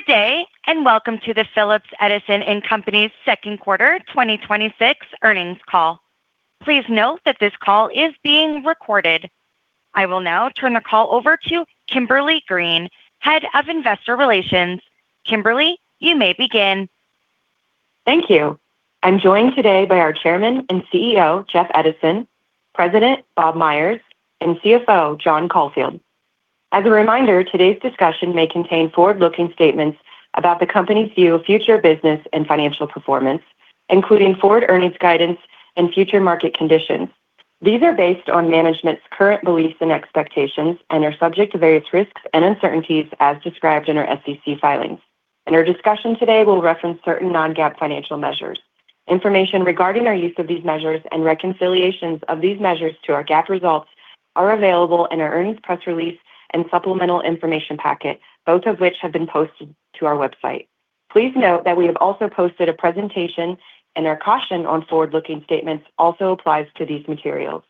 Good day, welcome to the Phillips Edison & Company's second quarter 2026 earnings call. Please note that this call is being recorded. I will now turn the call over to Kimberly Green, Head of Investor Relations. Kimberly, you may begin. Thank you. I'm joined today by our Chairman and CEO, Jeff Edison, President, Bob Myers, and CFO, John Caulfield. As a reminder, today's discussion may contain forward-looking statements about the company's view of future business and financial performance, including forward earnings guidance and future market conditions. These are based on management's current beliefs and expectations and are subject to various risks and uncertainties as described in our SEC filings. In our discussion today, we'll reference certain non-GAAP financial measures. Information regarding our use of these measures and reconciliations of these measures to our GAAP results are available in our earnings press release and supplemental information packet, both of which have been posted to our website. Please note that we have also posted a presentation. Our caution on forward-looking statements also applies to these materials.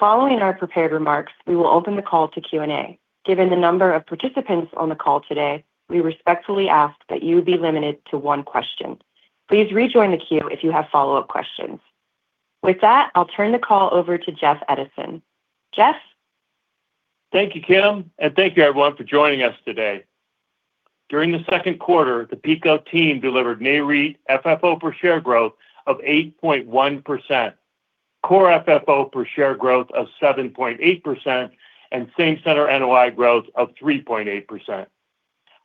Following our prepared remarks, we will open the call to Q&A. Given the number of participants on the call today, we respectfully ask that you be limited to one question. Please rejoin the queue if you have follow-up questions. With that, I'll turn the call over to Jeff Edison. Jeff? Thank you, Kim. Thank you, everyone, for joining us today. During the second quarter, the PECO team delivered Nareit FFO per share growth of 8.1%, Core FFO per share growth of 7.8%, and same center NOI growth of 3.8%.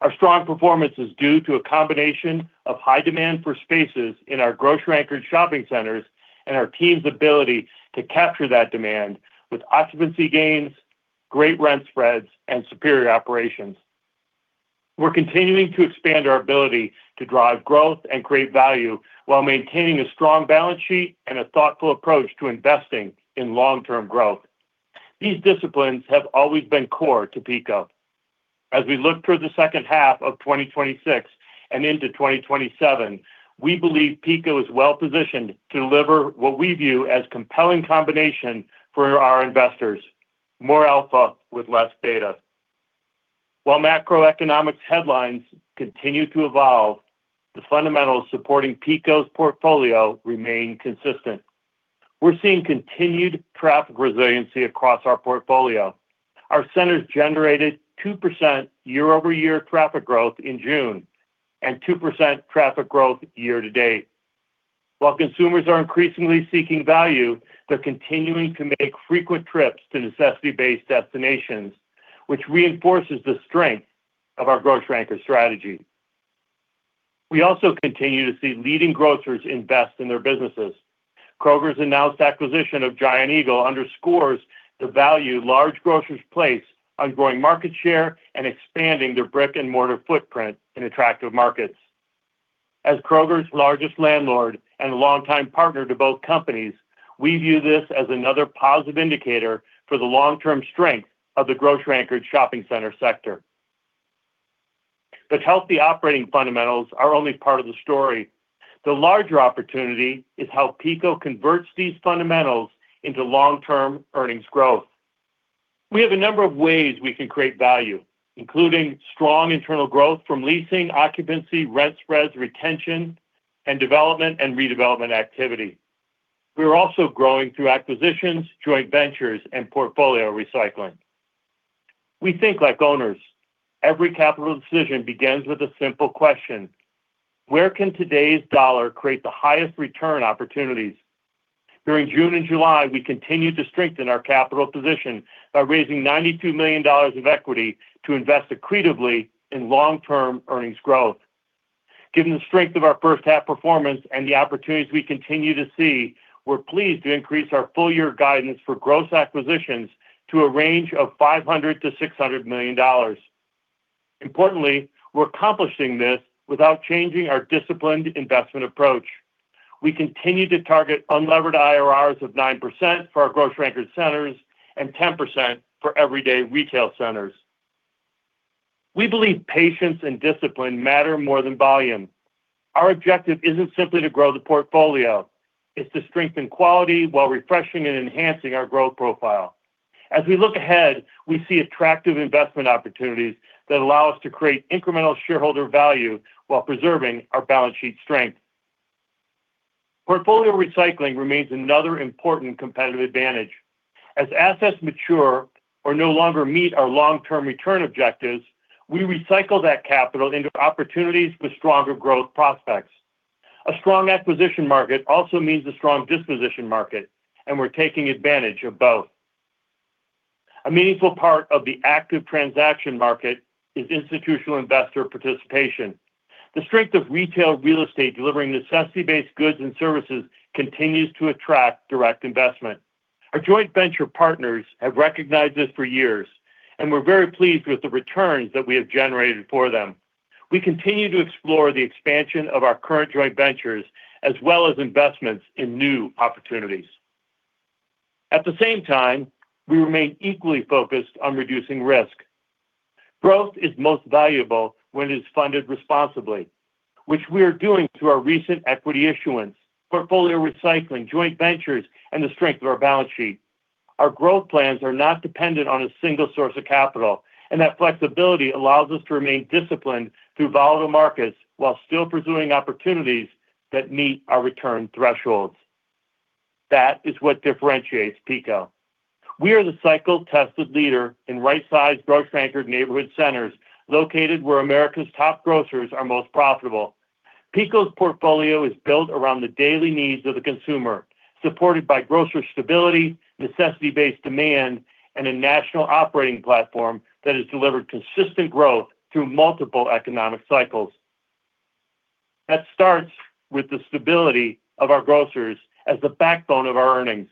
Our strong performance is due to a combination of high demand for spaces in our grocery-anchored shopping centers and our team's ability to capture that demand with occupancy gains, great rent spreads, and superior operations. We're continuing to expand our ability to drive growth and create value while maintaining a strong balance sheet and a thoughtful approach to investing in long-term growth. These disciplines have always been core to PECO. As we look toward the second half of 2026 and into 2027, we believe PECO is well-positioned to deliver what we view as compelling combination for our investors, more alpha with less beta. While macroeconomics headlines continue to evolve, the fundamentals supporting PECO's portfolio remain consistent. We're seeing continued traffic resiliency across our portfolio. Our centers generated 2% year-over-year traffic growth in June and 2% traffic growth year-to-date. While consumers are increasingly seeking value, they're continuing to make frequent trips to necessity-based destinations, which reinforces the strength of our grocery anchor strategy. We also continue to see leading grocers invest in their businesses. Kroger's announced acquisition of Giant Eagle underscores the value large grocers place on growing market share and expanding their brick-and-mortar footprint in attractive markets. As Kroger's largest landlord and longtime partner to both companies, we view this as another positive indicator for the long-term strength of the grocery-anchored shopping center sector. Healthy operating fundamentals are only part of the story. The larger opportunity is how PECO converts these fundamentals into long-term earnings growth. We have a number of ways we can create value, including strong internal growth from leasing, occupancy, rent spreads, retention, and development and redevelopment activity. We are also growing through acquisitions, joint ventures, and portfolio recycling. We think like owners. Every capital decision begins with a simple question: Where can today's dollar create the highest return opportunities? During June and July, we continued to strengthen our capital position by raising $92 million of equity to invest accretively in long-term earnings growth. Given the strength of our first half performance and the opportunities we continue to see, we're pleased to increase our full year guidance for gross acquisitions to a range of $500 million-$600 million. Importantly, we're accomplishing this without changing our disciplined investment approach. We continue to target unlevered IRRs of 9% for our grocery-anchored centers and 10% for everyday retail centers. We believe patience and discipline matter more than volume. Our objective isn't simply to grow the portfolio. It's to strengthen quality while refreshing and enhancing our growth profile. As we look ahead, we see attractive investment opportunities that allow us to create incremental shareholder value while preserving our balance sheet strength. Portfolio recycling remains another important competitive advantage. As assets mature or no longer meet our long-term return objectives, we recycle that capital into opportunities with stronger growth prospects. A strong acquisition market also means a strong disposition market, and we're taking advantage of both. A meaningful part of the active transaction market is institutional investor participation. The strength of retail real estate delivering necessity-based goods and services continues to attract direct investment. Our joint venture partners have recognized this for years, and we're very pleased with the returns that we have generated for them. We continue to explore the expansion of our current joint ventures, as well as investments in new opportunities. At the same time, we remain equally focused on reducing risk. Growth is most valuable when it is funded responsibly, which we are doing through our recent equity issuance, portfolio recycling, joint ventures, and the strength of our balance sheet. Our growth plans are not dependent on a single source of capital. That flexibility allows us to remain disciplined through volatile markets while still pursuing opportunities that meet our return thresholds. That is what differentiates PECO. We are the cycle-tested leader in right-sized grocery-anchored neighborhood centers located where America's top grocers are most profitable. PECO's portfolio is built around the daily needs of the consumer, supported by grocer stability, necessity-based demand, and a national operating platform that has delivered consistent growth through multiple economic cycles. That starts with the stability of our grocers as the backbone of our earnings.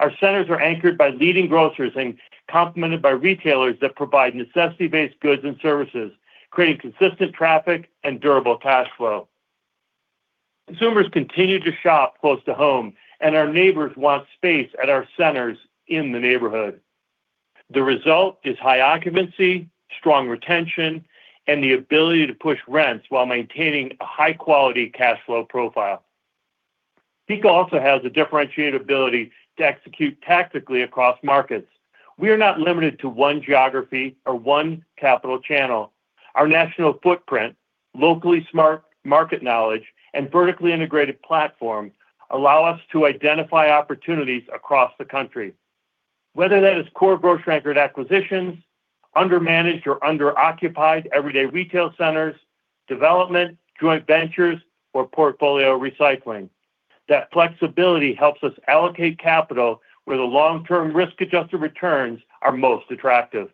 Our centers are anchored by leading grocers and complemented by retailers that provide necessity-based goods and services, creating consistent traffic and durable cash flow. Consumers continue to shop close to home, and our neighbors want space at our centers in the neighborhood. The result is high occupancy, strong retention, and the ability to push rents while maintaining a high-quality cash flow profile. PECO also has a differentiated ability to execute tactically across markets. We are not limited to one geography or one capital channel. Our national footprint, locally smart market knowledge, and vertically integrated platform allow us to identify opportunities across the country, whether that is core grocery-anchored acquisitions, undermanaged or underoccupied everyday retail centers, development, joint ventures, or portfolio recycling. That flexibility helps us allocate capital where the long-term risk-adjusted returns are most attractive.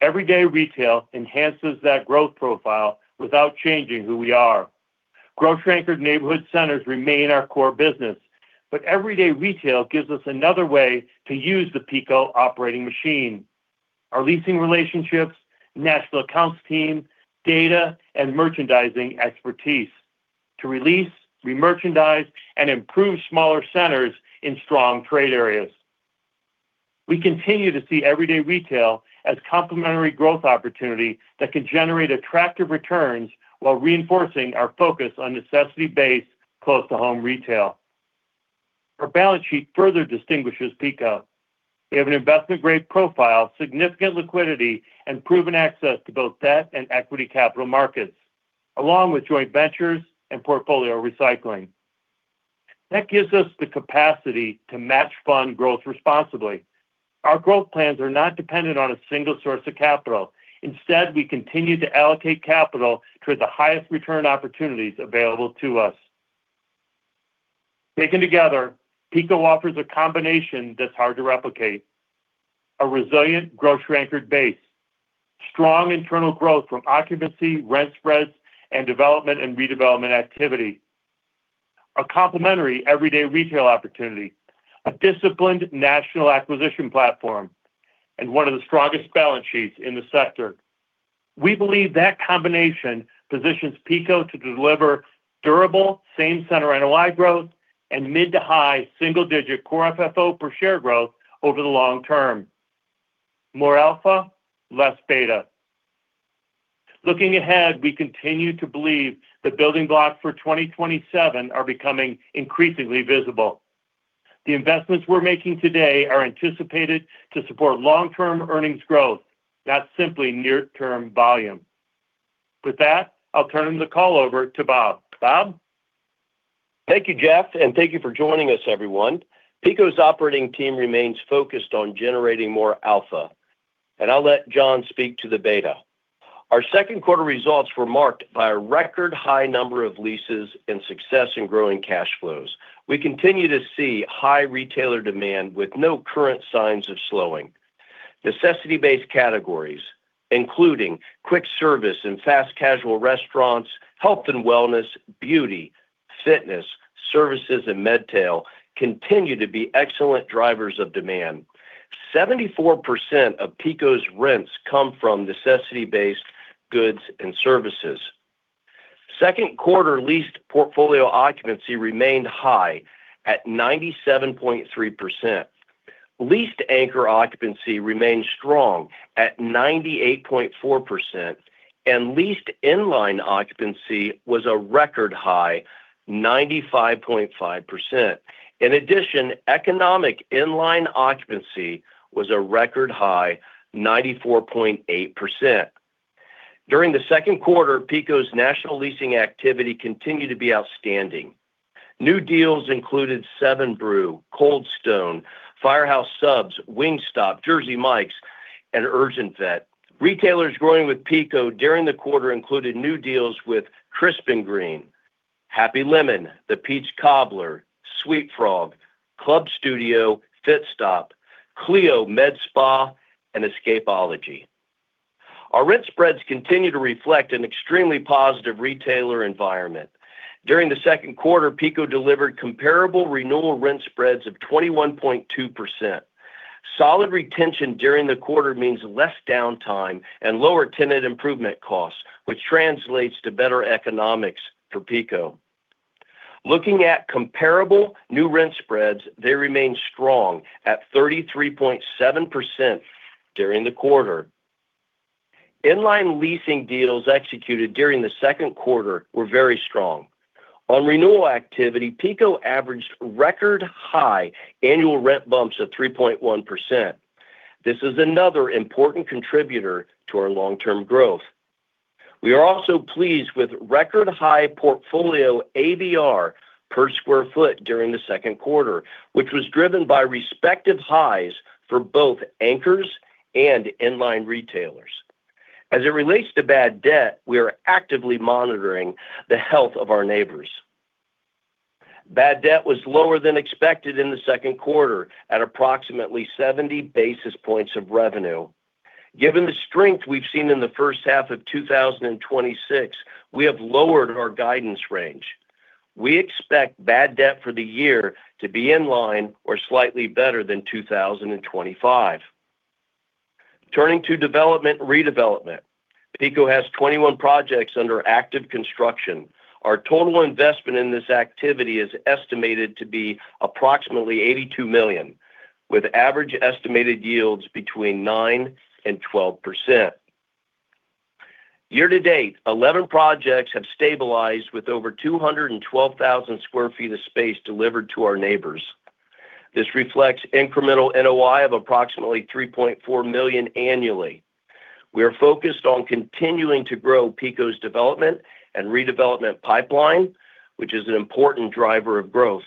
Everyday retail enhances that growth profile without changing who we are. Grocery-anchored neighborhood centers remain our core business, but everyday retail gives us another way to use the PECO operating machine. Our leasing relationships, national accounts team, data, and merchandising expertise to re-lease, remerchandise, and improve smaller centers in strong trade areas. We continue to see everyday retail as complementary growth opportunity that can generate attractive returns while reinforcing our focus on necessity-based, close-to-home retail. Our balance sheet further distinguishes PECO. We have an investment-grade profile, significant liquidity, and proven access to both debt and equity capital markets, along with joint ventures and portfolio recycling. That gives us the capacity to match fund growth responsibly. Our growth plans are not dependent on a single source of capital. Instead, we continue to allocate capital toward the highest return opportunities available to us. Taken together, PECO offers a combination that's hard to replicate. A resilient grocery-anchored base, strong internal growth from occupancy, rent spreads, and development and redevelopment activity, a complementary everyday retail opportunity, a disciplined national acquisition platform, and one of the strongest balance sheets in the sector. We believe that combination positions PECO to deliver durable same center NOI growth and mid to high single-digit Core FFO per share growth over the long term. More alpha, less beta. Looking ahead, we continue to believe the building blocks for 2027 are becoming increasingly visible. The investments we're making today are anticipated to support long-term earnings growth, not simply near-term volume. With that, I'll turn the call over to Bob. Bob? Thank you, Jeff, and thank you for joining us, everyone. PECO's operating team remains focused on generating more alpha, and I'll let John speak to the beta. Our second quarter results were marked by a record high number of leases and success in growing cash flows. We continue to see high retailer demand with no current signs of slowing. Necessity-based categories, including quick service and fast casual restaurants, health and wellness, beauty, fitness, services and medtail, continue to be excellent drivers of demand. 74% of PECO's rents come from necessity-based goods and services. Second quarter leased portfolio occupancy remained high at 97.3%. Leased anchor occupancy remained strong at 98.4%, and leased in-line occupancy was a record high 95.5%. In addition, economic in-line occupancy was a record high 94.8%. During the second quarter, PECO's national leasing activity continued to be outstanding. New deals included 7 Brew, Cold Stone, Firehouse Subs, Wingstop, Jersey Mike's, and UrgentVet. Retailers growing with PECO during the quarter included new deals with Crisp & Green, Happy Lemon, The Peach Cobbler, sweetFrog, Club Studio, Fitstop, CLEO MedSpa, and Escapology. Our rent spreads continue to reflect an extremely positive retailer environment. During the second quarter, PECO delivered comparable renewal rent spreads of 21.2%. Solid retention during the quarter means less downtime and lower tenant improvement costs, which translates to better economics for PECO. Looking at comparable new rent spreads, they remain strong at 33.7% during the quarter. Inline leasing deals executed during the second quarter were very strong. On renewal activity, PECO averaged record high annual rent bumps of 3.1%. This is another important contributor to our long-term growth. We are also pleased with record high portfolio ABR per square foot during the second quarter, which was driven by respective highs for both anchors and inline retailers. As it relates to bad debt, we are actively monitoring the health of our neighbors. Bad debt was lower than expected in the second quarter at approximately 70 basis points of revenue. Given the strength we've seen in the first half of 2026, we have lowered our guidance range. We expect bad debt for the year to be in line or slightly better than 2025. Turning to development and redevelopment. PECO has 21 projects under active construction. Our total investment in this activity is estimated to be approximately $82 million, with average estimated yields between 9%-12%. Year to date, 11 projects have stabilized with over 212,000 sq ft of space delivered to our neighbors. This reflects incremental NOI of approximately $3.4 million annually. We are focused on continuing to grow PECO's development and redevelopment pipeline, which is an important driver of growth.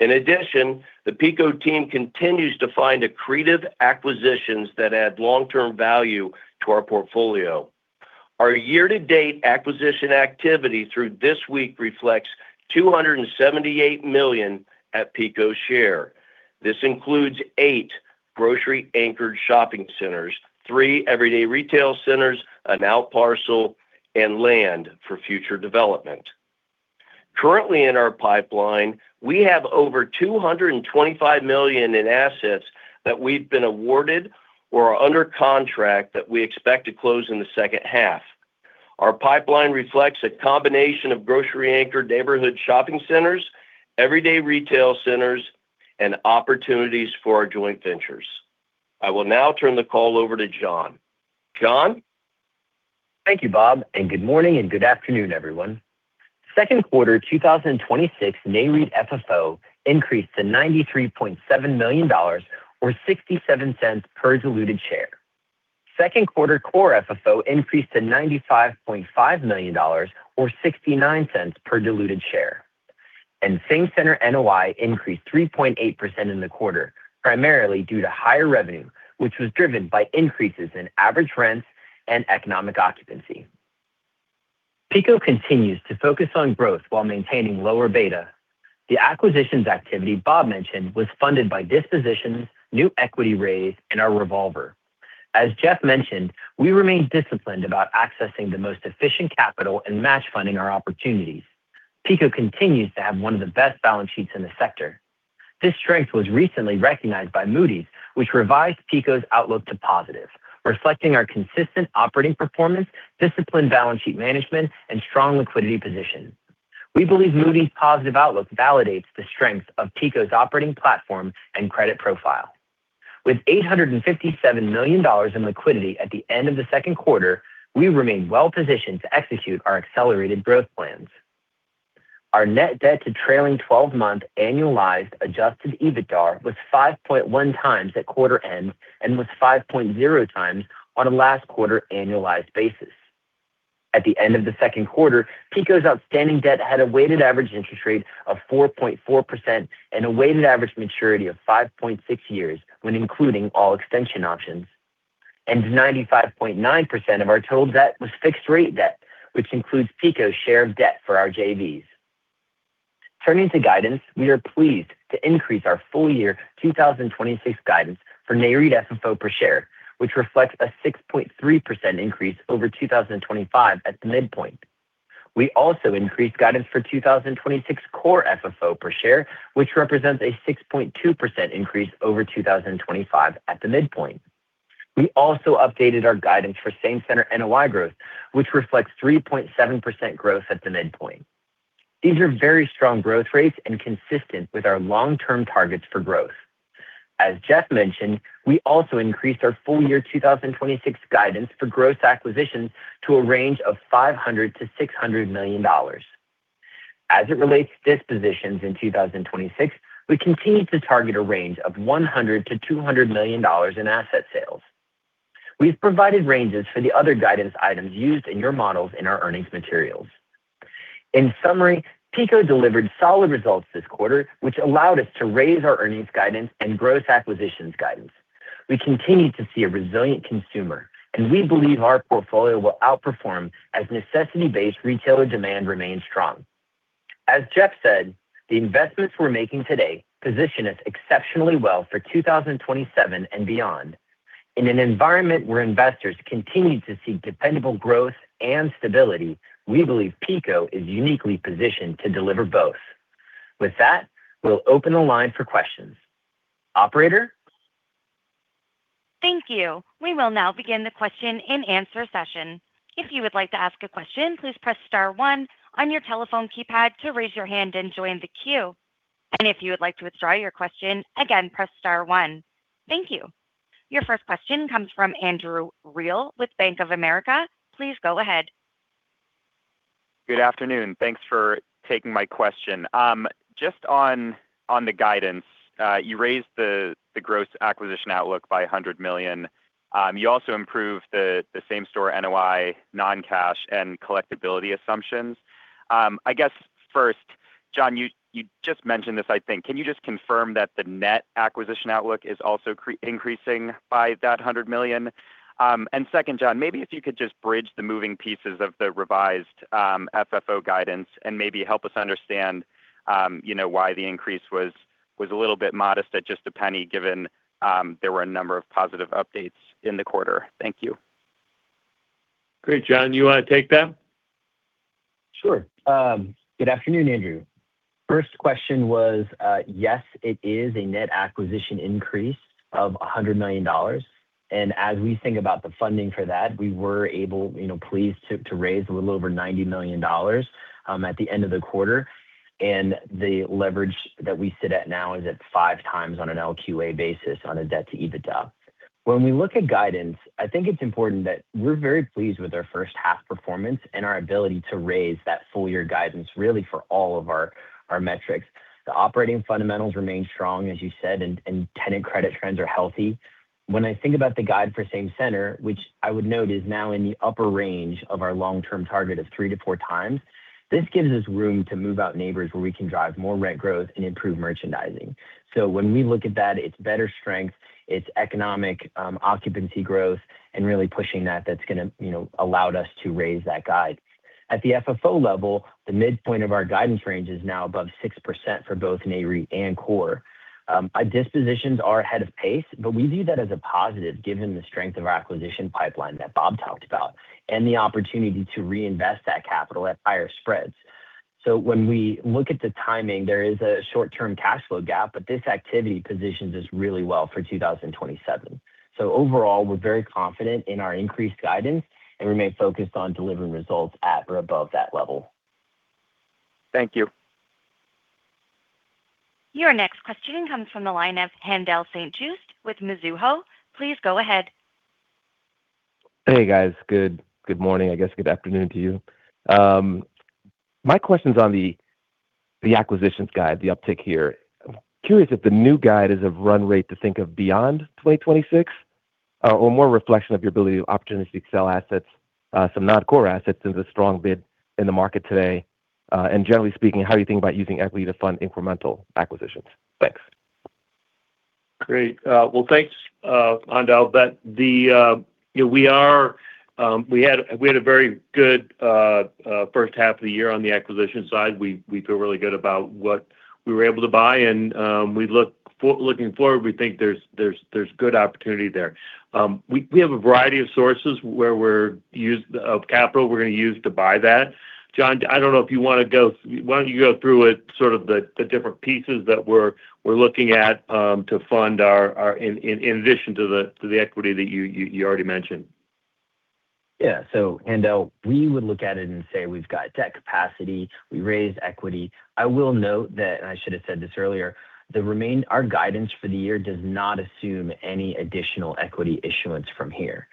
In addition, the PECO team continues to find accretive acquisitions that add long-term value to our portfolio. Our year-to-date acquisition activity through this week reflects $278 million at PECO share. This includes eight grocery anchored shopping centers, three everyday retail centers, an out parcel, and land for future development. Currently in our pipeline, we have over $225 million in assets that we've been awarded or are under contract that we expect to close in the second half. Our pipeline reflects a combination of grocery anchored neighborhood shopping centers, everyday retail centers, and opportunities for our joint ventures. I will now turn the call over to John. John? Thank you, Bob, and good morning and good afternoon, everyone. Second quarter 2026 Nareit FFO increased to $93.7 million, or $0.67 per diluted share. Second quarter Core FFO increased to $95.5 million, or $0.69 per diluted share. Same center NOI increased 3.8% in the quarter, primarily due to higher revenue, which was driven by increases in average rents and economic occupancy. PECO continues to focus on growth while maintaining lower beta. The acquisitions activity Bob mentioned was funded by dispositions, new equity raise, and our revolver. As Jeff mentioned, we remain disciplined about accessing the most efficient capital and match funding our opportunities. PECO continues to have one of the best balance sheets in the sector. This strength was recently recognized by Moody's, which revised PECO's outlook to positive, reflecting our consistent operating performance, disciplined balance sheet management, and strong liquidity position. We believe Moody's positive outlook validates the strength of PECO's operating platform and credit profile. With $857 million in liquidity at the end of the second quarter, we remain well positioned to execute our accelerated growth plans. Our net debt to trailing 12-month annualized adjusted EBITDAre was 5.1x at quarter end and was 5.0x on a last quarter annualized basis. At the end of the second quarter, PECO's outstanding debt had a weighted average interest rate of 4.4% and a weighted average maturity of 5.6 years when including all extension options. 95.9% of our total debt was fixed rate debt, which includes PECO's share of debt for our JVs. Turning to guidance, we are pleased to increase our full year 2026 guidance for Nareit FFO per share, which reflects a 6.3% increase over 2025 at the midpoint. We also increased guidance for 2026 Core FFO per share, which represents a 6.2% increase over 2025 at the midpoint. We also updated our guidance for same center NOI growth, which reflects 3.7% growth at the midpoint. These are very strong growth rates and consistent with our long-term targets for growth. As Jeff mentioned, we also increased our full year 2026 guidance for gross acquisitions to a range of $500 million-$600 million. As it relates to dispositions in 2026, we continue to target a range of $100 million-$200 million in asset sales. We've provided ranges for the other guidance items used in your models in our earnings materials. In summary, PECO delivered solid results this quarter, which allowed us to raise our earnings guidance and gross acquisitions guidance. We continue to see a resilient consumer, and we believe our portfolio will outperform as necessity-based retailer demand remains strong. As Jeff said, the investments we're making today position us exceptionally well for 2027 and beyond. In an environment where investors continue to seek dependable growth and stability, we believe PECO is uniquely positioned to deliver both. With that, we'll open the line for questions. Operator? Thank you. We will now begin the question and answer session. If you would like to ask a question, please press star one on your telephone keypad to raise your hand and join the queue. If you would like to withdraw your question, again, press star one. Thank you. Your first question comes from Andrew Reale with Bank of America. Please go ahead. Good afternoon. Thanks for taking my question. Just on the guidance, you raised the gross acquisition outlook by $100 million. You also improved the same store NOI non-cash and collectibility assumptions. I guess first, John, you just mentioned this, I think. Can you just confirm that the net acquisition outlook is also increasing by that $100 million? Second, John, maybe if you could just bridge the moving pieces of the revised FFO guidance and maybe help us understand why the increase was a little bit modest at just $0.01 given there were a number of positive updates in the quarter. Thank you. Great. John, you want to take that? Sure. Good afternoon, Andrew. First question was, yes, it is a net acquisition increase of $100 million. As we think about the funding for that, we were able, pleased to raise a little over $90 million at the end of the quarter. The leverage that we sit at now is at five times on an LQA basis on a debt to EBITDA. When we look at guidance, I think it's important that we're very pleased with our first half performance and our ability to raise that full year guidance, really for all of our metrics. The operating fundamentals remain strong, as you said, and tenant credit trends are healthy. When I think about the guide for same center, which I would note is now in the upper range of our long-term target of three to four times. This gives us room to move out neighbors where we can drive more rent growth and improve merchandising. When we look at that, it's better strength, it's economic occupancy growth, and really pushing that's going to allow us to raise that guide. At the FFO level, the midpoint of our guidance range is now above 6% for both Nareit and Core. Our dispositions are ahead of pace, but we view that as a positive given the strength of our acquisition pipeline that Bob talked about and the opportunity to reinvest that capital at higher spreads. When we look at the timing, there is a short-term cash flow gap, but this activity positions us really well for 2027. Overall, we're very confident in our increased guidance, and remain focused on delivering results at or above that level. Thank you. Your next question comes from the line of Haendel St. Juste with Mizuho. Please go ahead. Hey, guys. Good morning. I guess good afternoon to you. My question's on the acquisitions guide, the uptick here. Curious if the new guide is a run rate to think of beyond 2026, or more reflection of your ability to opportunistically sell assets, some non-core assets in the strong bid in the market today. Generally speaking, how are you thinking about using equity to fund incremental acquisitions? Thanks. Great. Well, thanks, Haendel. We had a very good first half of the year on the acquisition side. We feel really good about what we were able to buy, and looking forward, we think there's good opportunity there. We have a variety of sources of capital we're going to use to buy that. John, why don't you go through it sort of the different pieces that we're looking at to fund in addition to the equity that you already mentioned. Yeah. Haendel, we would look at it and say we've got debt capacity, we raised equity. I will note that, and I should have said this earlier, our guidance for the year does not assume any additional equity issuance from here.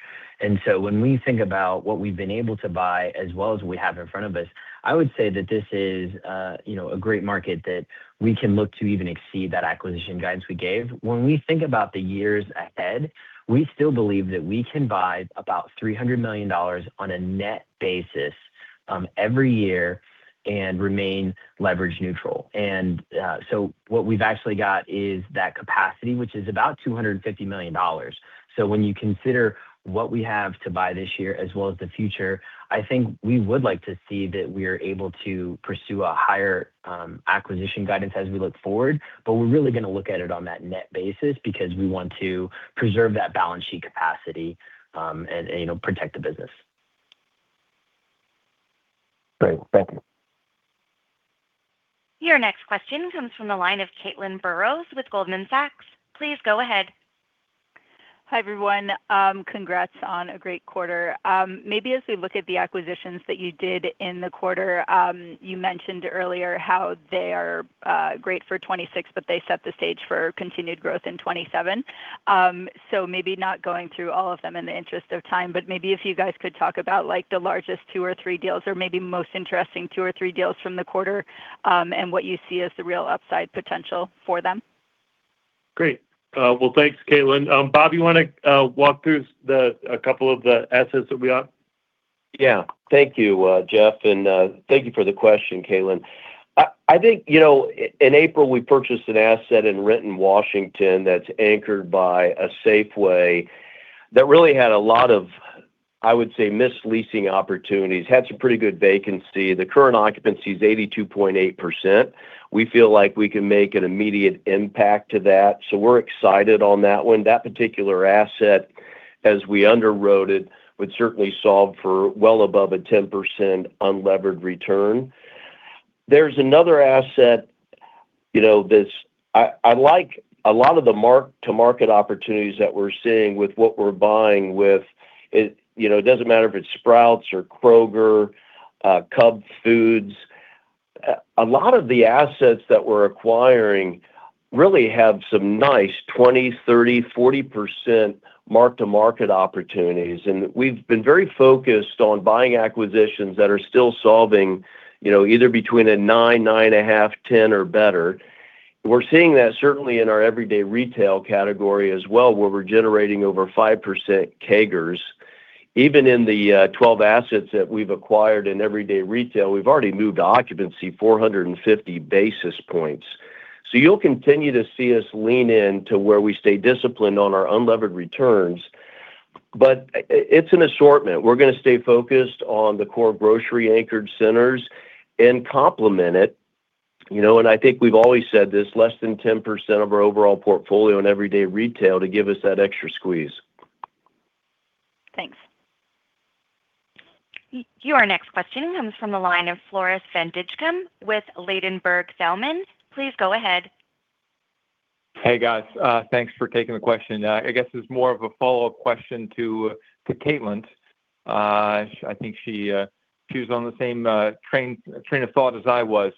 When we think about what we've been able to buy as well as what we have in front of us, I would say that this is a great market that we can look to even exceed that acquisition guidance we gave. When we think about the years ahead, we still believe that we can buy about $300 million on a net basis every year and remain leverage neutral. What we've actually got is that capacity, which is about $250 million. When you consider what we have to buy this year as well as the future, I think we would like to see that we're able to pursue a higher acquisition guidance as we look forward. We're really going to look at it on that net basis because we want to preserve that balance sheet capacity and protect the business. Great. Thank you. Your next question comes from the line of Caitlin Burrows with Goldman Sachs. Please go ahead. Hi, everyone. Congrats on a great quarter. As we look at the acquisitions that you did in the quarter, you mentioned earlier how they are great for 2026, but they set the stage for continued growth in 2027. Not going through all of them in the interest of time, but maybe if you guys could talk about the largest two or three deals or maybe most interesting two or three deals from the quarter, and what you see as the real upside potential for them. Great. Well, thanks, Caitlin. Bob, you want to walk through a couple of the assets that we got? Yeah. Thank you, Jeff, and thank you for the question, Caitlin. I think in April, we purchased an asset in Renton, Washington, that's anchored by a Safeway that really had a lot of, I would say, missed leasing opportunities, had some pretty good vacancy. The current occupancy is 82.8%. We feel like we can make an immediate impact to that. We're excited on that one. That particular asset, as we underwrote it, would certainly solve for well above a 10% unlevered return. There's another asset. I like a lot of the mark-to-market opportunities that we're seeing with what we're buying with. It doesn't matter if it's Sprouts or Kroger Cub Foods. A lot of the assets that we're acquiring really have some nice 20%, 30%, 40% mark-to-market opportunities. We've been very focused on buying acquisitions that are still solving, either between a 9.5, 10 or better. We're seeing that certainly in our everyday retail category as well, where we're generating over 5% CAGRs. Even in the 12 assets that we've acquired in everyday retail, we've already moved occupancy 450 basis points. You'll continue to see us lean in to where we stay disciplined on our unlevered returns. It's an assortment. We're going to stay focused on the core grocery anchored centers and complement it. I think we've always said this, less than 10% of our overall portfolio in everyday retail to give us that extra squeeze. Thanks. Your next question comes from the line of Floris van Dijkum with Ladenburg Thalmann. Please go ahead. Hey, guys. Thanks for taking the question. I guess it's more of a follow-up question to Caitlin. I think she was on the same train of thought as I was.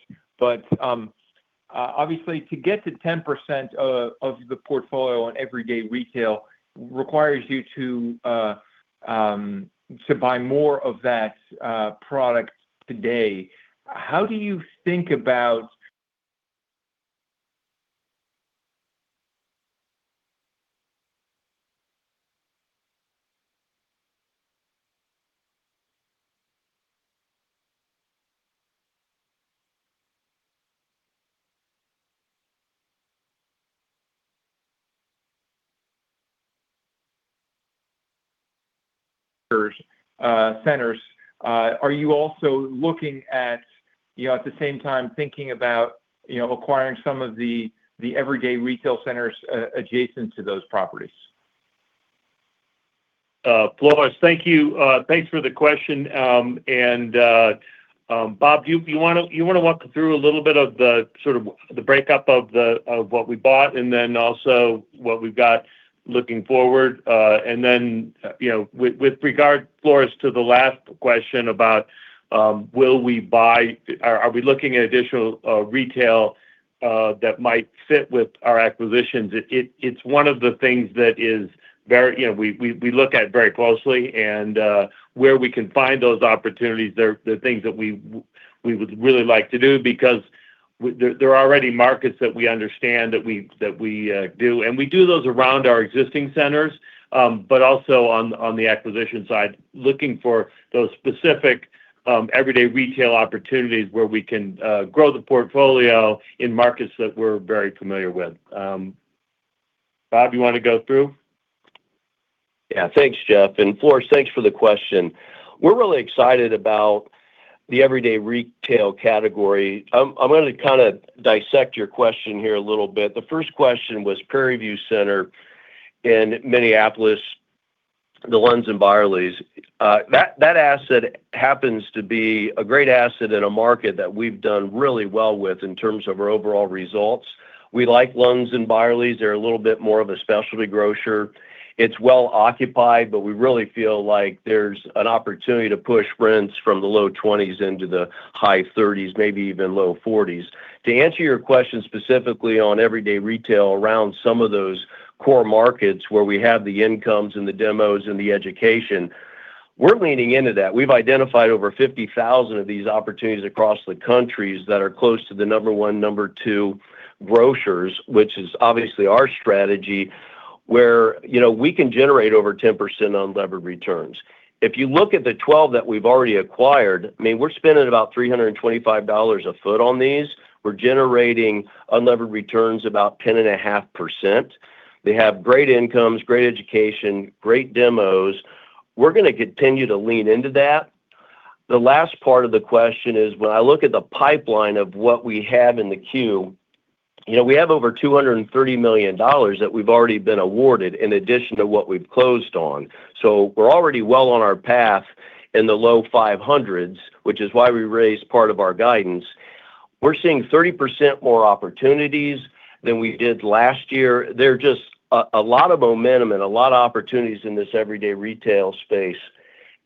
Obviously to get to 10% of the portfolio on everyday retail requires you to buy more of that product today. How do you think about centers? Are you also, at the same time, thinking about acquiring some of the everyday retail centers adjacent to those properties? Floris, thank you. Thanks for the question. Bob, you want to walk through a little bit of the breakup of what we bought and then also what we've got looking forward? With regard, Floris, to the last question about are we looking at additional retail that might fit with our acquisitions? It's one of the things that we look at very closely and where we can find those opportunities. They're things that we would really like to do because there are already markets that we understand that we do. We do those around our existing centers. Also on the acquisition side, looking for those specific everyday retail opportunities where we can grow the portfolio in markets that we're very familiar with. Bob, you want to go through? Yeah. Thanks, Jeff. Floris, thanks for the question. We're really excited about the everyday retail category. I'm going to kind of dissect your question here a little bit. The first question was Prairieview Center in Minneapolis, the Lunds & Byerlys. That asset happens to be a great asset in a market that we've done really well with in terms of our overall results. We like Lunds & Byerlys. They're a little bit more of a specialty grocer. It's well occupied, but we really feel like there's an opportunity to push rents from the low 20s into the high 30s, maybe even low 40s. To answer your question specifically on everyday retail around some of those core markets where we have the incomes and the demos and the education, we're leaning into that. We've identified over 50,000 of these opportunities across the countries that are close to the number one, number two grocers, which is obviously our strategy, where we can generate over 10% unlevered returns. If you look at the 12 that we've already acquired, we're spending about $325 a foot on these. We're generating unlevered returns about 10.5%. They have great incomes, great education, great demos. We're going to continue to lean into that. The last part of the question is, when I look at the pipeline of what we have in the queue, we have over $230 million that we've already been awarded in addition to what we've closed on. We're already well on our path in the low 500s, which is why we raised part of our guidance. We're seeing 30% more opportunities than we did last year. There are just a lot of momentum and a lot of opportunities in this everyday retail space.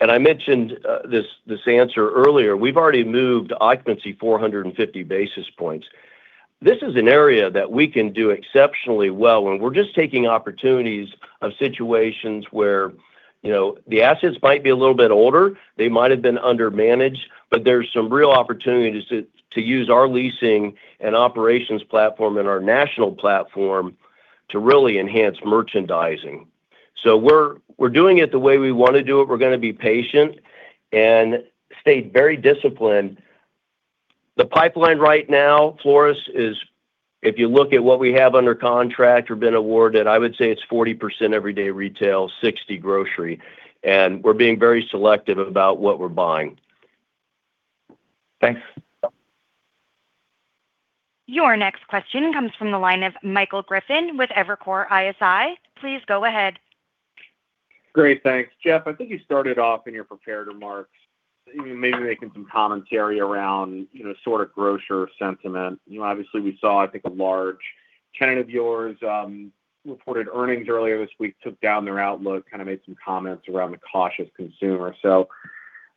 I mentioned this answer earlier. We've already moved occupancy 450 basis points. This is an area that we can do exceptionally well. We're just taking opportunities of situations where the assets might be a little bit older, they might have been under-managed, but there's some real opportunities to use our leasing and operations platform and our national platform to really enhance merchandising. We're doing it the way we want to do it. We're going to be patient and stay very disciplined. The pipeline right now, Floris is, if you look at what we have under contract or been awarded, I would say it's 40% everyday retail, 60 grocery. We're being very selective about what we're buying. Thanks. Your next question comes from the line of Michael Griffin with Evercore ISI. Please go ahead. Great. Thanks. Jeff, I think you started off in your prepared remarks, maybe making some commentary around sort of grocer sentiment. Obviously we saw, I think, a large tenant of yours reported earnings earlier this week, took down their outlook, kind of made some comments around the cautious consumer.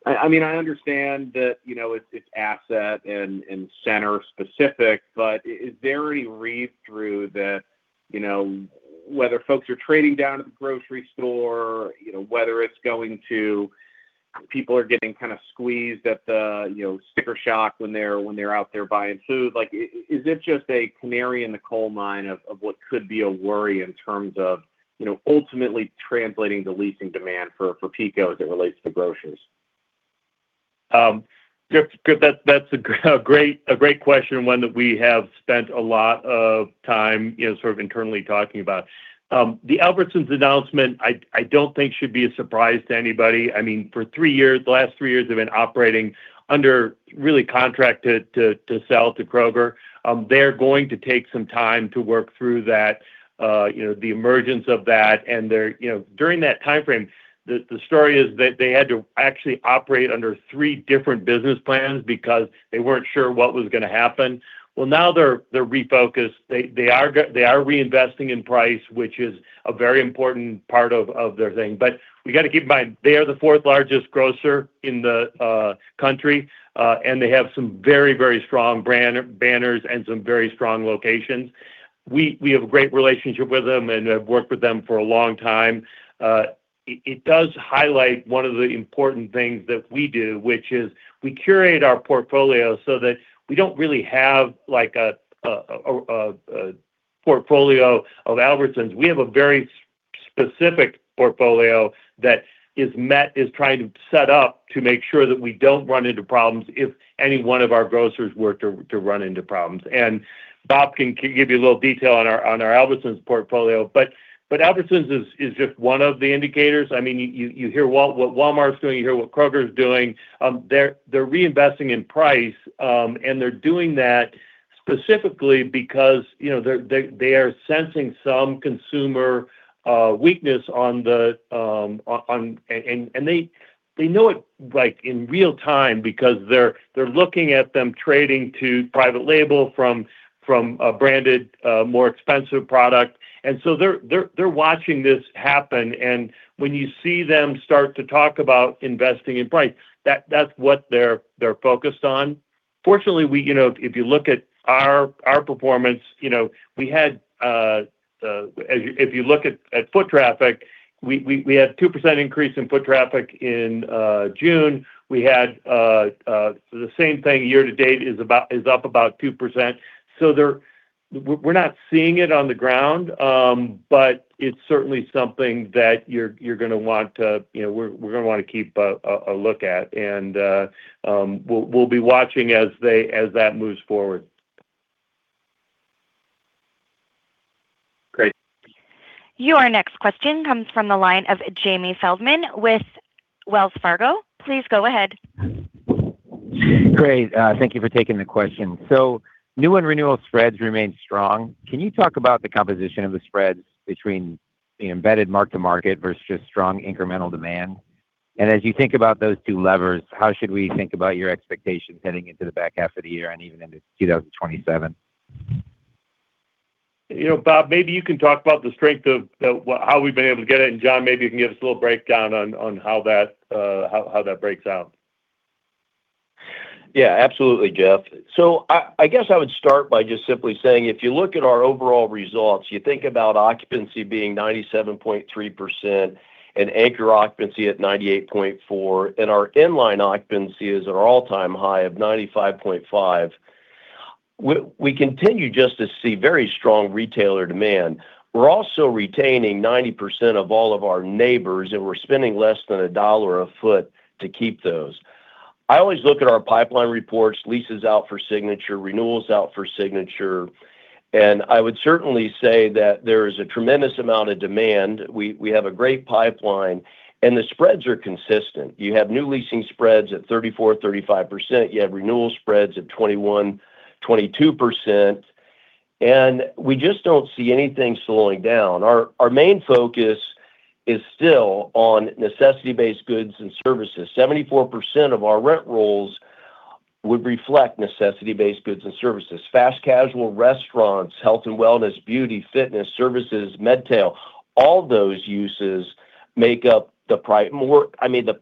I understand that it's asset and center specific, but is there any read through that whether folks are trading down at the grocery store, whether it's going to people are getting kind of squeezed at the sticker shock when they're out there buying food? Is it just a canary in the coal mine of what could be a worry in terms of ultimately translating the leasing demand for PECO as it relates to grocers? Good. That's a great question and one that we have spent a lot of time internally talking about. The Albertsons announcement, I don't think should be a surprise to anybody. For the last three years, they've been operating under contract to sell to Kroger. They're going to take some time to work through the emergence of that. During that timeframe, the story is that they had to actually operate under three different business plans because they weren't sure what was going to happen. Now they're refocused. They are reinvesting in price, which is a very important part of their thing. We've got to keep in mind, they are the fourth largest grocer in the country, and they have some very, very strong banners and some very strong locations. We have a great relationship with them and have worked with them for a long time. It does highlight one of the important things that we do, which is we curate our portfolio so that we don't really have a portfolio of Albertsons. We have a very specific portfolio that is trying to set up to make sure that we don't run into problems if any one of our grocers were to run into problems. Bob can give you a little detail on our Albertsons portfolio. Albertsons is just one of the indicators. You hear what Walmart's doing, you hear what Kroger's doing. They're reinvesting in price, and they're doing that specifically because they are sensing some consumer weakness, and they know it in real time because they're looking at them trading to private label from a branded, more expensive product. They're watching this happen, and when you see them start to talk about investing in price, that's what they're focused on. Fortunately, if you look at our performance, if you look at foot traffic, we had 2% increase in foot traffic in June. We had the same thing year to date is up about 2%. We're not seeing it on the ground, but it's certainly something that we're going to want to keep a look at. We'll be watching as that moves forward. Great. Your next question comes from the line of Jamie Feldman with Wells Fargo. Please go ahead. Great. Thank you for taking the question. New and renewal spreads remain strong. Can you talk about the composition of the spreads between the embedded mark to market versus strong incremental demand? As you think about those two levers, how should we think about your expectations heading into the back half of the year and even into 2027? Bob, maybe you can talk about the strength of how we've been able to get it, and John, maybe you can give us a little breakdown on how that breaks out. Yeah, absolutely, Jeff. I guess I would start by just simply saying, if you look at our overall results, you think about occupancy being 97.3% and anchor occupancy at 98.4%, and our inline occupancy is at an all-time high of 95.5%. We continue just to see very strong retailer demand. We're also retaining 90% of all of our neighbors, and we're spending less than $1 a foot to keep those. I always look at our pipeline reports, leases out for signature, renewals out for signature, and I would certainly say that there is a tremendous amount of demand. We have a great pipeline, and the spreads are consistent. You have new leasing spreads at 34%, 35%. You have renewal spreads at 21%, 22%, and we just don't see anything slowing down. Our main focus is still on necessity-based goods and services. 74% of our rent rolls would reflect necessity-based goods and services. Fast casual restaurants, health and wellness, beauty, fitness, services, medtail, all those uses make up the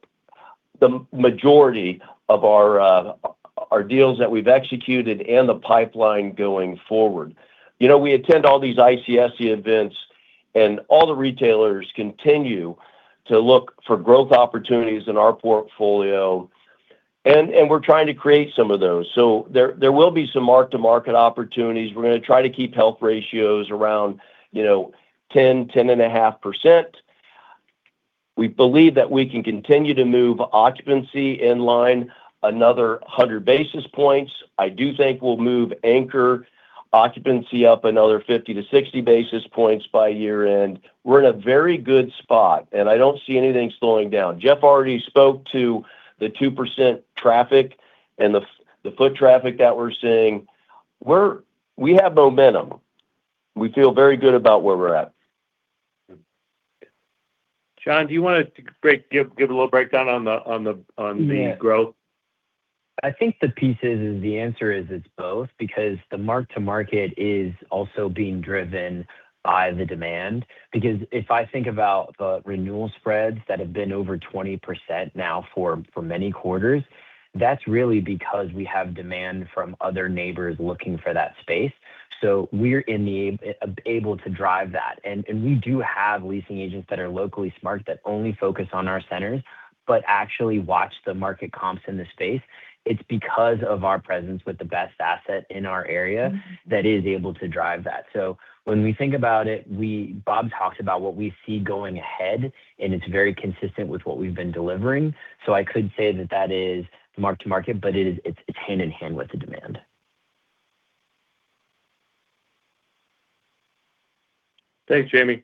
majority of our deals that we've executed and the pipeline going forward. We attend all these ICSC events and all the retailers continue to look for growth opportunities in our portfolio, and we're trying to create some of those. There will be some mark-to-market opportunities. We're going to try to keep health ratios around 10%, 10.5%. We believe that we can continue to move occupancy in line another 100 basis points. I do think we'll move anchor occupancy up another 50 to 60 basis points by year-end. We're in a very good spot, and I don't see anything slowing down. Jeff already spoke to the 2% traffic and the foot traffic that we're seeing. We have momentum. We feel very good about where we're at. John, do you want to give a little breakdown on the growth? I think the pieces is the answer is it's both, because the mark to market is also being driven by the demand. If I think about the renewal spreads that have been over 20% now for many quarters, that's really because we have demand from other neighbors looking for that space. We're able to drive that. We do have leasing agents that are locally smart that only focus on our centers, but actually watch the market comps in the space. It's because of our presence with the best asset in our area that is able to drive that. When we think about it, Bob talks about what we see going ahead, and it's very consistent with what we've been delivering. I could say that that is mark to market, but it's hand in hand with the demand. Thanks, Jamie.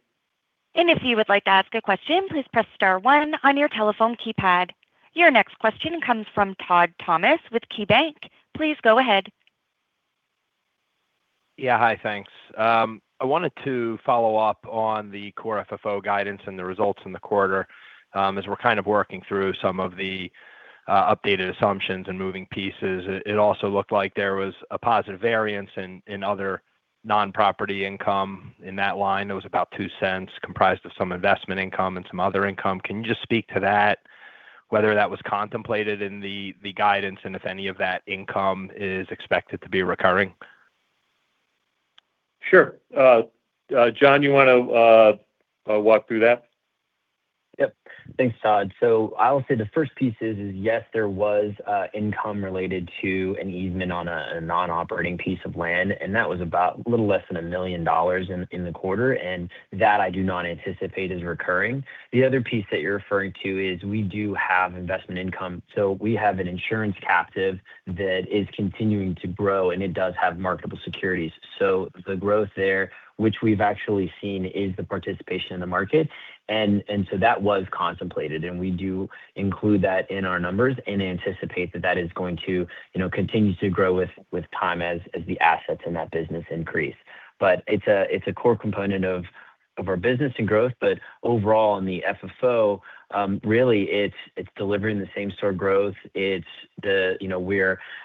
If you would like to ask a question, please press star one on your telephone keypad. Your next question comes from Todd Thomas with KeyBanc. Please go ahead. Yeah. Hi, thanks. I wanted to follow up on the Core FFO guidance and the results in the quarter. As we're kind of working through some of the updated assumptions and moving pieces, it also looked like there was a positive variance in other non-property income in that line that was about $0.02, comprised of some investment income and some other income. Can you just speak to that, whether that was contemplated in the guidance, and if any of that income is expected to be recurring? Sure. John, you want to walk through that? Yep. Thanks, Todd. I will say the first piece is, yes, there was income related to an easement on a non-operating piece of land, and that was about a little less than $1 million in the quarter, and that I do not anticipate is recurring. The other piece that you're referring to is we do have investment income. We have an insurance captive that is continuing to grow, and it does have marketable securities. The growth there, which we've actually seen, is the participation in the market. That was contemplated, and we do include that in our numbers and anticipate that that is going to continue to grow with time as the assets in that business increase. It's a core component of our business and growth, but overall in the FFO, really it's delivering the same-store growth.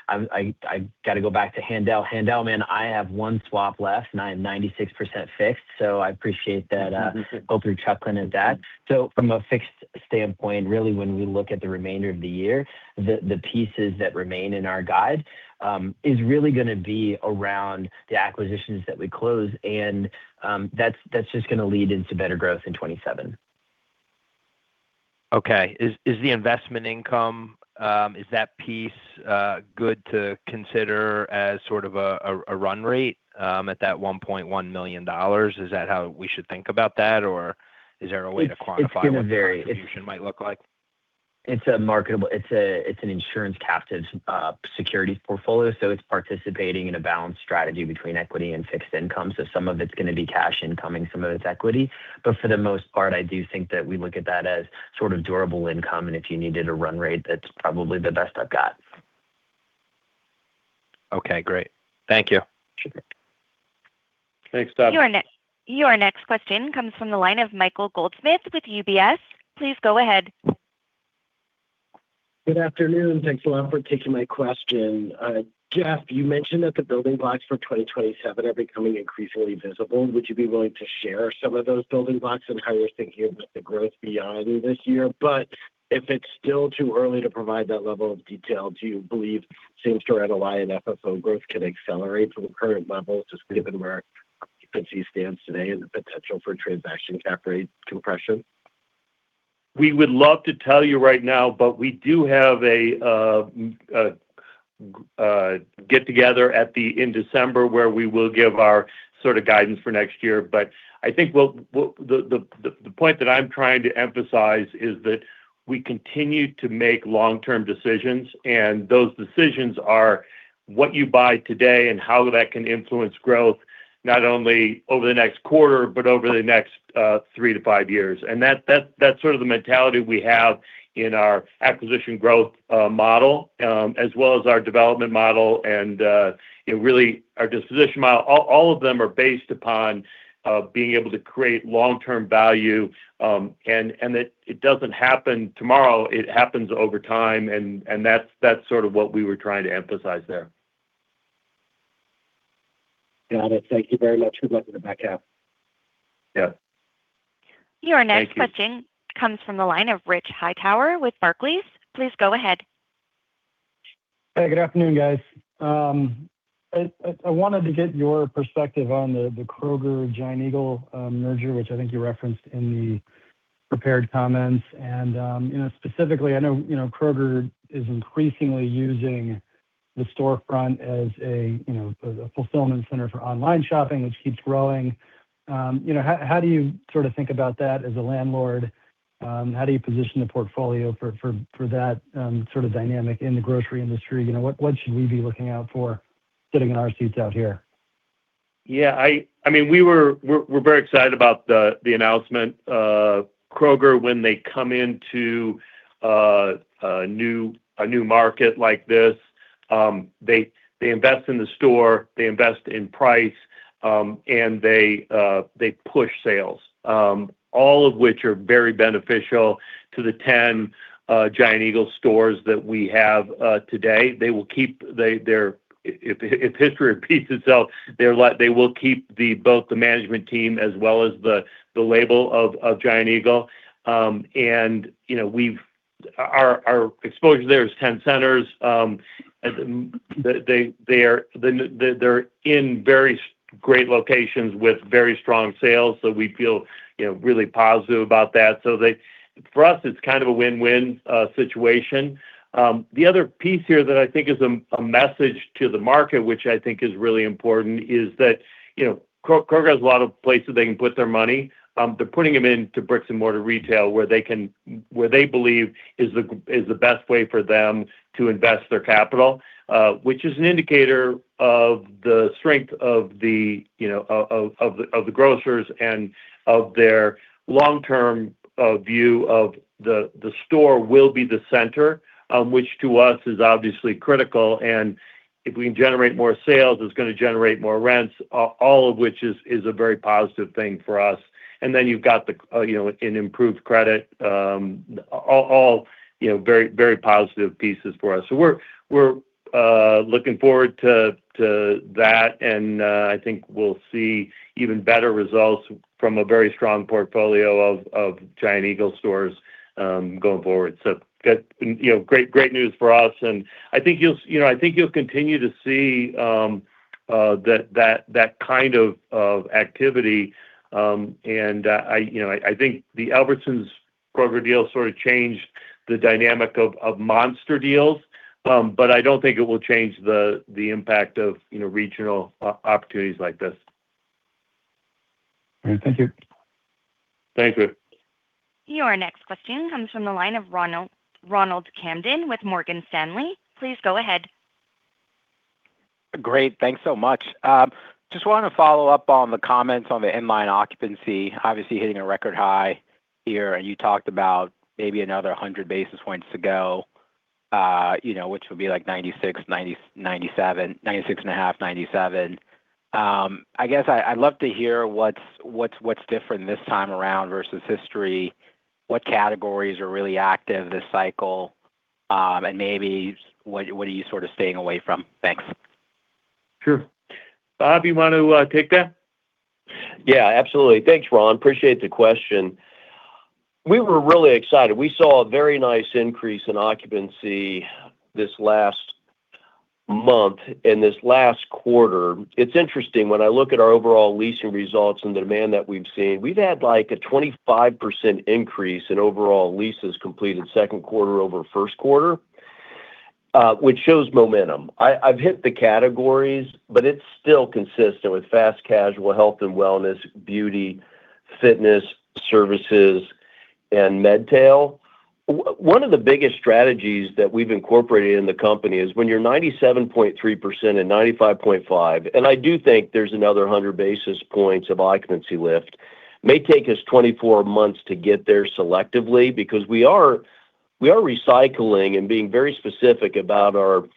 I got to go back to Haendel. Haendel, man, I have one swap left and 96% fixed, I appreciate that. From a fixed standpoint, really when we look at the remainder of the year, the pieces that remain in our guide is really going to be around the acquisitions that we close, and that's just going to lead into better growth in 2027. Okay. Is the investment income, is that piece good to consider as sort of a run rate at that $1.1 million? Is that how we should think about that? Or is there a way to quantify what the contribution might look like? It's an insurance captive securities portfolio, it's participating in a balanced strategy between equity and fixed income. Some of it's going to be cash incoming, some of it's equity. For the most part, I do think that we look at that as sort of durable income, and if you needed a run rate, that's probably the best I've got. Okay, great. Thank you. Sure. Thanks, Todd. Your next question comes from the line of Michael Goldsmith with UBS. Please go ahead. Good afternoon. Thanks a lot for taking my question. Jeff, you mentioned that the building blocks for 2027 are becoming increasingly visible. Would you be willing to share some of those building blocks and how you're thinking about the growth beyond this year? If it's still too early to provide that level of detail, do you believe same-store NOI and FFO growth can accelerate from current levels, just given where occupancy stands today and the potential for transaction cap rate compression? We would love to tell you right now, we do have a get together in December where we will give our sort of guidance for next year. I think the point that I'm trying to emphasize is that we continue to make long-term decisions, and those decisions are what you buy today and how that can influence growth, not only over the next quarter, but over the next three to five years. That's sort of the mentality we have in our acquisition growth model, as well as our development model, and really our disposition model. All of them are based upon being able to create long-term value. It doesn't happen tomorrow, it happens over time, and that's sort of what we were trying to emphasize there. Got it. Thank you very much. Good luck with the buy-out. Yeah. Thank you. Your next question comes from the line of Rich Hightower with Barclays. Please go ahead. Hey, good afternoon, guys. I wanted to get your perspective on the Kroger-Giant Eagle merger, which I think you referenced in the prepared comments. Specifically, I know Kroger is increasingly using the storefront as a fulfillment center for online shopping, which keeps growing. How do you sort of think about that as a landlord? How do you position the portfolio for that sort of dynamic in the grocery industry? What should we be looking out for sitting in our seats out here? Yeah. We're very excited about the announcement. Kroger, when they come into a new market like this, they invest in the store, they invest in price, and they push sales. All of which are very beneficial to the 10 Giant Eagle stores that we have today. If history repeats itself, they will keep both the management team as well as the label of Giant Eagle. Our exposure there is 10 centers. They're in very great locations with very strong sales, so we feel really positive about that. For us, it's kind of a win-win situation. The other piece here that I think is a message to the market, which I think is really important, is that Kroger has a lot of places they can put their money. They're putting them into bricks and mortar retail, where they believe is the best way for them to invest their capital. Which is an indicator of the strength of the grocers and of their long-term view of the store will be the center. Which to us is obviously critical, and if we can generate more sales, it's going to generate more rents, all of which is a very positive thing for us. Then you've got an improved credit. All very positive pieces for us. We're looking forward to that, and I think we'll see even better results from a very strong portfolio of Giant Eagle stores going forward. Great news for us, and I think you'll continue to see that kind of activity. I think the Albertsons-Kroger deal sort of changed the dynamic of monster deals, but I don't think it will change the impact of regional opportunities like this. All right. Thank you. Thank you. Your next question comes from the line of Ronald Kamdem with Morgan Stanley. Please go ahead. Great. Thanks so much. Just wanted to follow up on the comments on the inline occupancy, obviously hitting a record high here, and you talked about maybe another 100 basis points to go, which will be like 96.5%, 97%. I guess I'd love to hear what's different this time around versus history, what categories are really active this cycle, and maybe what are you sort of staying away from? Thanks. Sure. Bob, you want to take that? Yeah, absolutely. Thanks, Ron. Appreciate the question. We were really excited. We saw a very nice increase in occupancy this last month and this last quarter. It's interesting, when I look at our overall leasing results and the demand that we've seen, we've had a 25% increase in overall leases completed second quarter over first quarter, which shows momentum. I've hit the categories, but it's still consistent with fast casual health and wellness, beauty, fitness, services, and medtail. One of the biggest strategies that we've incorporated in the company is when you're 97.3% and 95.5%, and I do think there's another 100 basis points of occupancy lift, may take us 24 months to get there selectively because we are recycling and being very specific about our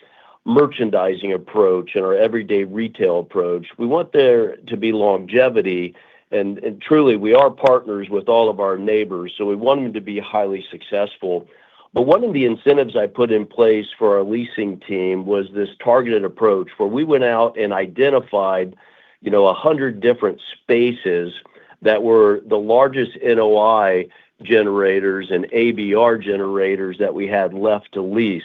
merchandising approach and our everyday retail approach. We want there to be longevity. Truly, we are partners with all of our neighbors, we want them to be highly successful. One of the incentives I put in place for our leasing team was this targeted approach, where we went out and identified 100 different spaces that were the largest NOI generators and ABR generators that we had left to lease.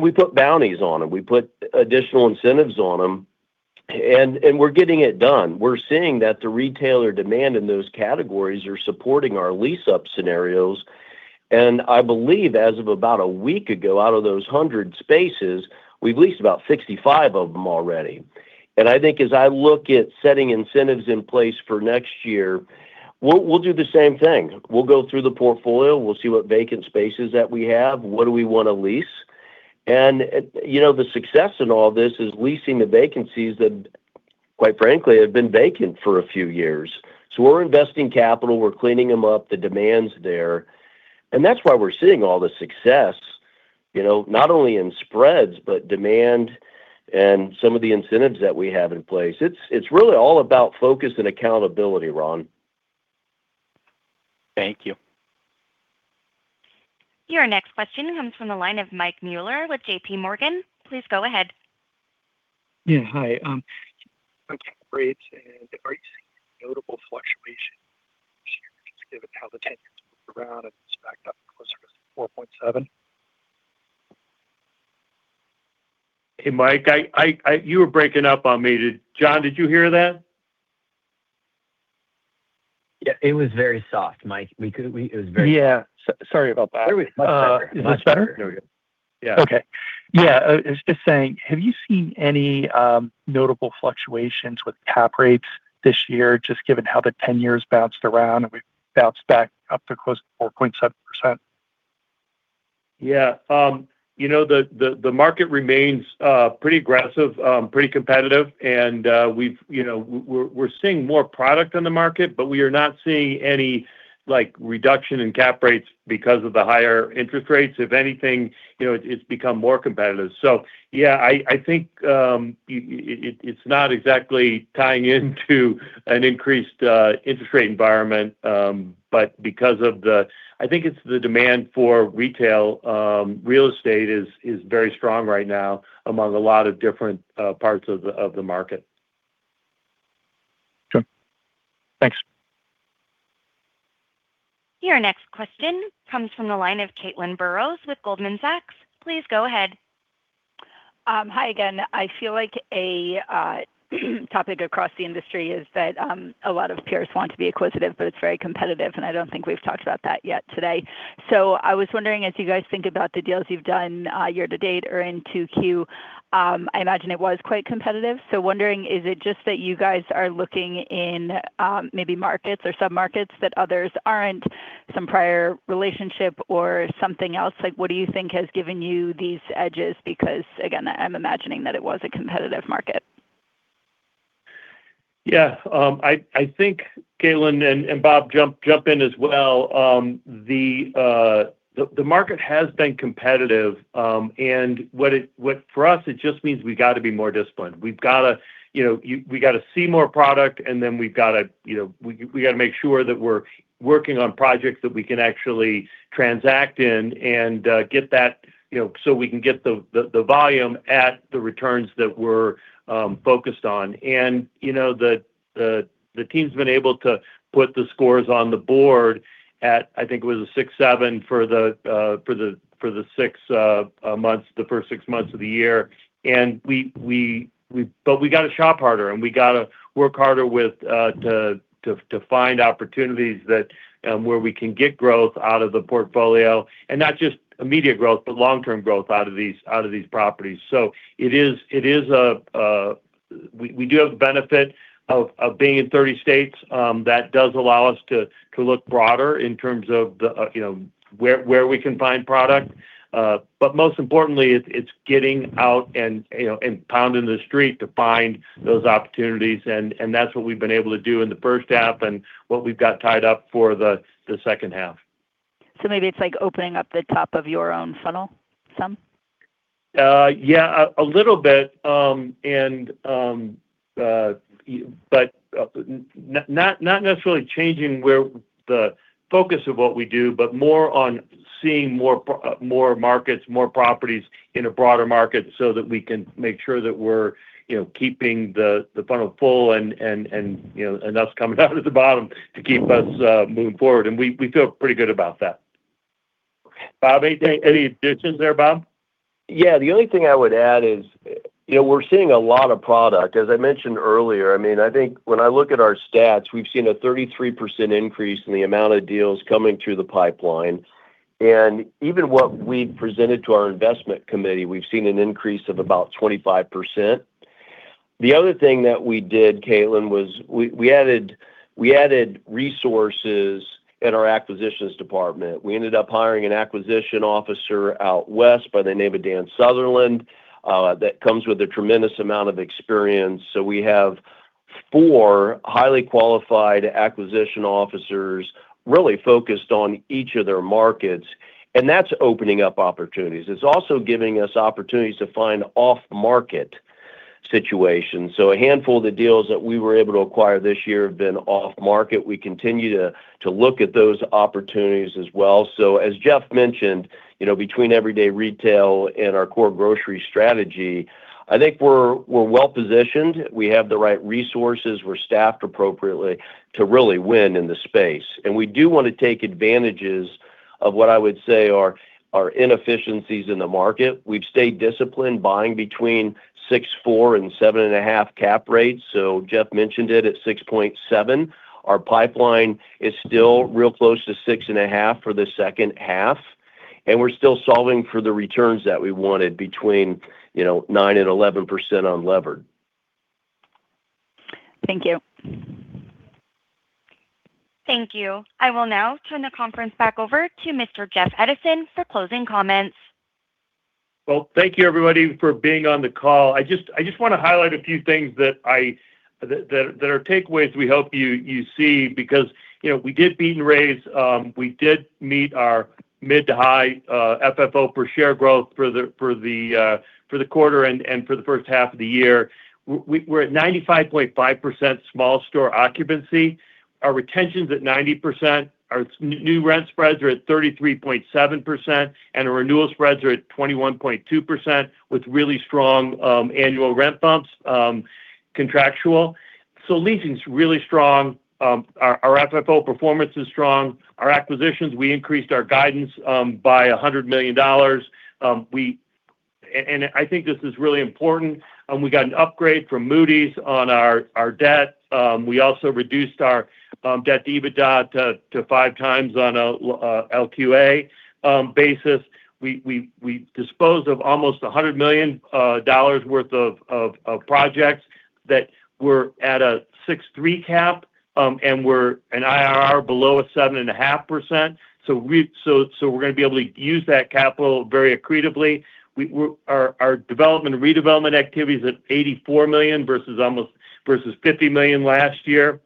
We put bounties on them. We put additional incentives on them, and we're getting it done. We're seeing that the retailer demand in those categories are supporting our lease-up scenarios. I believe, as of about a week ago, out of those 100 spaces, we've leased about 65 of them already. I think as I look at setting incentives in place for next year, we'll do the same thing. We'll go through the portfolio, we'll see what vacant spaces that we have, what do we want to lease. The success in all this is leasing the vacancies that, quite frankly, have been vacant for a few years. We're investing capital, we're cleaning them up, the demand's there. That's why we're seeing all the success, not only in spreads, but demand and some of the incentives that we have in place. It's really all about focus and accountability, Ron. Thank you. Your next question comes from the line of Mike Mueller with JPMorgan. Please go ahead. Yeah, hi. On cap rates have you seen notable fluctuation given how the 10-year moved around and it's back up closer to 4.7%? Hey, Mike, you were breaking up on me. John, did you hear that? Yeah, it was very soft, Mike. Yeah. Sorry about that. There we go. Much better. Is this better? There we go. Yeah. Okay. Yeah, I was just saying, have you seen any notable fluctuations with cap rates this year, just given how the 10 years bounced around and we've bounced back up to close to 4.7%? Yeah. The market remains pretty aggressive, pretty competitive, we're seeing more product on the market, we are not seeing any reduction in cap rates because of the higher interest rates. If anything, it's become more competitive. Yeah, I think it's not exactly tying into an increased interest rate environment, but I think it's the demand for retail real estate is very strong right now among a lot of different parts of the market. Sure. Thanks. Your next question comes from the line of Caitlin Burrows with Goldman Sachs. Please go ahead. Hi again. I feel like a topic across the industry is that a lot of peers want to be acquisitive, but it's very competitive, and I don't think we've talked about that yet today. I was wondering, as you guys think about the deals you've done year to date or in 2Q, I imagine it was quite competitive. Wondering, is it just that you guys are looking in maybe markets or sub-markets that others aren't, some prior relationship or something else? What do you think has given you these edges? Because again, I'm imagining that it was a competitive market. Yeah. I think, Caitlin, and Bob, jump in as well, the market has been competitive. For us, it just means we got to be more disciplined. We got to see more product, we got to make sure that we're working on projects that we can actually transact in, so we can get the volume at the returns that we're focused on. The team's been able to put the scores on the board at, I think it was a six, seven for the first six months of the year. We got to shop harder, and we got to work harder to find opportunities where we can get growth out of the portfolio, and not just immediate growth, but long-term growth out of these properties. We do have the benefit of being in 30 states. That does allow us to look broader in terms of where we can find product. Most importantly, it's getting out and pounding the street to find those opportunities, and that's what we've been able to do in the first half and what we've got tied up for the second half. Maybe it's like opening up the top of your own funnel some? Yeah, a little bit. Not necessarily changing the focus of what we do, but more on seeing more markets, more properties in a broader market so that we can make sure that we're keeping the funnel full and enough coming out at the bottom to keep us moving forward. We feel pretty good about that. Bob, any additions there, Bob? Yeah, the only thing I would add is we're seeing a lot of product. As I mentioned earlier, I think when I look at our stats, we've seen a 33% increase in the amount of deals coming through the pipeline. Even what we'd presented to our investment committee, we've seen an increase of about 25%. The other thing that we did, Caitlin, was we added resources at our acquisitions department. We ended up hiring an acquisition officer out west by the name of Dan Sutherland that comes with a tremendous amount of experience. We have four highly qualified acquisition officers really focused on each of their markets, and that's opening up opportunities. It's also giving us opportunities to find off-market situations. A handful of the deals that we were able to acquire this year have been off-market. We continue to look at those opportunities as well. As Jeff mentioned, between everyday retail and our core grocery strategy, I think we're well-positioned. We have the right resources. We're staffed appropriately to really win in the space. We do want to take advantages of what I would say are inefficiencies in the market. We've stayed disciplined, buying between 6.4 and 7.5 cap rates. Jeff mentioned it at 6.7. Our pipeline is still real close to 6.5 for the second half, and we're still solving for the returns that we wanted between 9% and 11% unlevered. Thank you. Thank you. I will now turn the conference back over to Mr. Jeff Edison for closing comments. Thank you everybody for being on the call. I just want to highlight a few things that are takeaways we hope you see because we did beat the raise. We did meet our mid to high FFO per share growth for the quarter and for the first half of the year. We're at 95.5% small store occupancy. Our retention's at 90%. Our new rent spreads are at 33.7%, and our renewal spreads are at 21.2%, with really strong annual rent bumps, contractual. Leasing's really strong. Our FFO performance is strong. Our acquisitions, we increased our guidance by $100 million. I think this is really important, we got an upgrade from Moody's on our debt. We also reduced our debt to EBITDA to five times on a LQA basis. We disposed of almost $100 million worth of projects that were at a six-three cap, and were an IRR below a 7.5%. We're going to be able to use that capital very accretively. Our development and redevelopment activity is at $84 million, versus $50 million last year.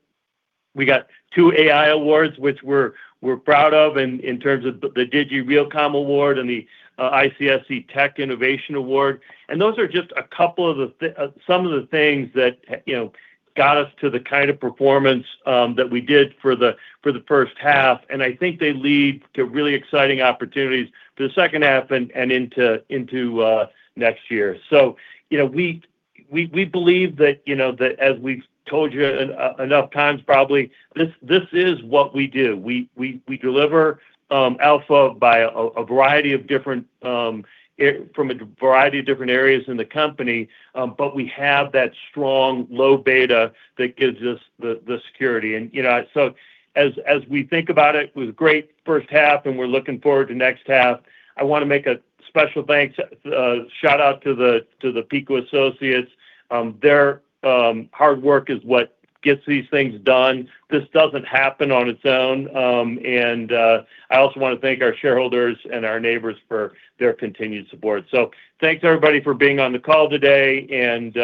We got 2 AI awards, which we're proud of, in terms of the Digie Realcomm award and the ICSC Tech Innovator Award. Those are just some of the things that got us to the kind of performance that we did for the first half, and I think they lead to really exciting opportunities for the second half and into next year. We believe that, as we've told you enough times probably, this is what we do. We deliver alpha from a variety of different areas in the company, but we have that strong low beta that gives us the security. As we think about it was a great first half, and we're looking forward to next half. I want to make a special thanks, shout-out to the PECO associates. Their hard work is what gets these things done. This doesn't happen on its own. I also want to thank our shareholders and our neighbors for their continued support. Thanks everybody for being on the call today, and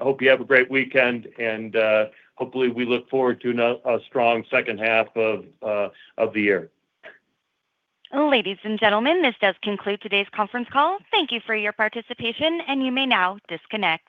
hope you have a great weekend. Hopefully we look forward to a strong second half of the year. Ladies and gentlemen, this does conclude today's conference call. Thank you for your participation, and you may now disconnect.